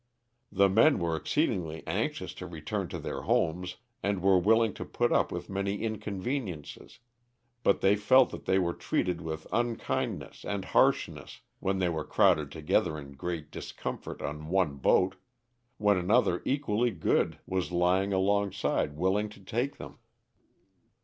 The men were exceedingly anxious to return to their homes and were willing to put up with many inconveniences, but they felt that they were treated with unkindness and harshness when they vrere crowded together in great discomfort on one boat, when another eq lally good was lying alongside willing to take them.